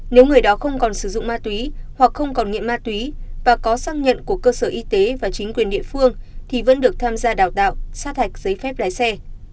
nếu người đó không còn sử dụng ma túy hoặc không còn nghiện ma túy và có xác nhận của cơ sở y tế và chính quyền địa phương thì vẫn được tham gia đào tạo sát hạch giấy phép lái xe